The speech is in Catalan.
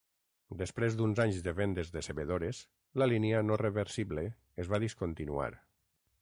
Després d'uns anys de vendes decebedores, la línia "no reversible" es va discontinuar.